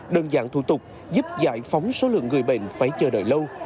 đơn giản thủ tục giúp giải phóng số lượng người bệnh phải chờ đợi lâu